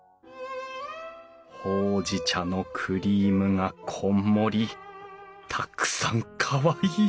ほうじ茶のクリームがこんもりたくさんかわいい！